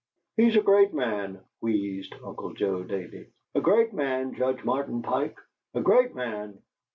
"He's a great man," wheezed Uncle Joe Davey; "a great man, Judge Martin Pike; a great man!"